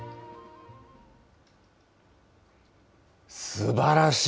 すばらしい！